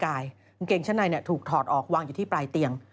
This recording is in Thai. กางเกงชั้นในถูกถอดออกวางอยู่ที่ปลายเตียง